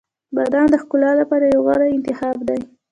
• بادام د ښکلا لپاره یو غوره انتخاب دی.